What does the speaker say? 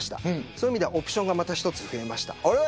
そういう意味ではオプションが１つ増えました。